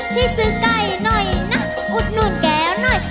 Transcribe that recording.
ช่วยซื้อไก่หน่อยนะอุดหนุนแก้วหน่อย